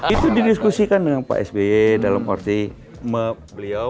itu didiskusikan dengan pak sby dalam arti beliau